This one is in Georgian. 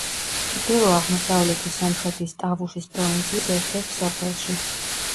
ჩრდილო-აღმოსავლეთი სომხეთის ტავუშის პროვინციის ერთ-ერთ სოფელში.